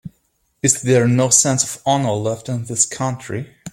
Is there no sense of honor left in this country?